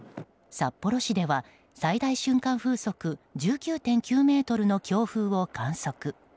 札幌市では最大瞬間風速１９．９メートルの強風を観測。